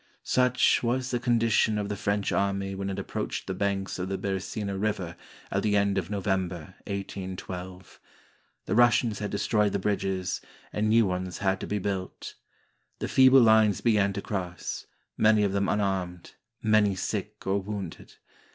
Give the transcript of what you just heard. ^oo^ Such was the condition of the French army when it ap proached the banks of the Beresina River at the end of No vember, 1812. The Russians had destroyed the bridges, and new ones had to be built. The feeble lines began to cross, many of them unarmed, many sick or wounded.